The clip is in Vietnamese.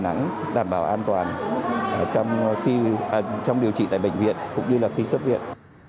và người dân đà nẵng đảm bảo an toàn trong điều trị tại bệnh viện cũng như là khi xuất viện